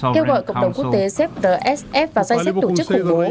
kêu gọi cộng đồng quốc tế xếp rsf vào danh sách tổ chức khủng bố